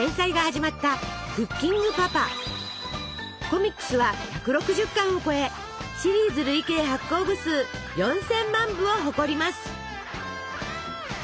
コミックスは１６０巻を超えシリーズ累計発行部数４，０００万部を誇ります。